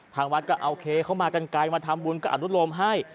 ทางวัดก็โอเคเขามากันไกลมาทำบุญก็อนุโลมให้